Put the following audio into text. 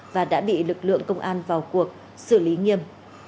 và đã bị lực lượng công an vào cuộc xử lý nghiêm